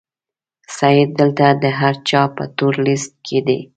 سید دلته د هر چا په تور لیست کې دی.